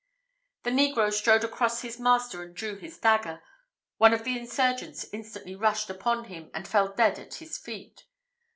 The negro strode across his master and drew his dagger one of the insurgents instantly rushed upon him, and fell dead at his feet.